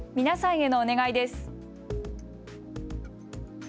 皆さんへのお願いです。